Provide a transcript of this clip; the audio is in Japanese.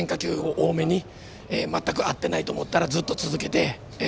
多めに全く合ってないと思ったらずっと続けて。